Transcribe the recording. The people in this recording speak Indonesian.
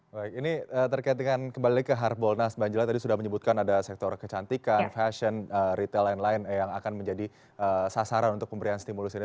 baik ini terkait dengan kembali ke harbolnas mbak angela tadi sudah menyebutkan ada sektor kecantikan fashion retail lain lain yang akan menjadi sasaran untuk pemberian stimulus ini